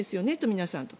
皆さんと。